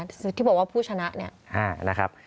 สำคัญที่บอกว่าผู้ชนะ